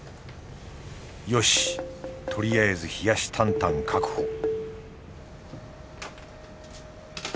よしとりあえず冷やしタンタン確保